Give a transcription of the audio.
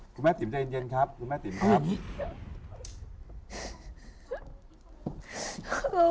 คุณแม่ติ๋มใจเย็นครับคุณแม่ติ๋มครับ